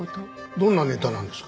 どんなネタなんですか？